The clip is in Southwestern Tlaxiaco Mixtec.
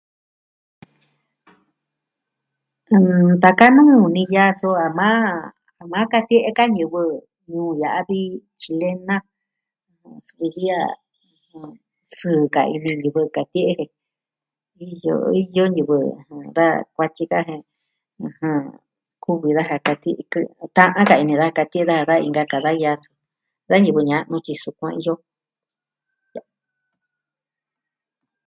Ah... ntaka nuu ni yaa so a ma... katie'e ka ñivɨ ñuu ya'a vi tyilena suvi vi a... sɨɨ ka ini ñivɨ katie'e je, iyo iyo ñivɨ da kuatyi ka jen, ɨjɨn, kuvi daja katie'e kɨ... ta'an ka ini daja katie'e daja ka inka ka yaa vi a suu. Da ñivɨ ña'nu tyi sukuan iyo.